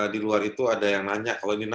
di luar itu ada yang nanya